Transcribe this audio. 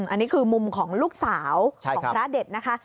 อันนี้คือมุมของลูกสาวของพระเด็ดนะคะ